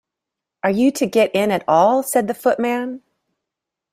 ‘Are you to get in at all?’ said the Footman.